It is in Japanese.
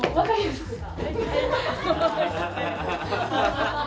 ハハハハ！